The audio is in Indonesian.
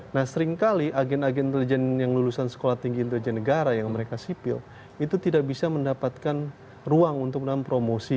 nah seringkali agen agen intelijen yang lulusan sekolah tinggi intelijen negara yang mereka sipil itu tidak bisa mendapatkan ruang untuk mempromosi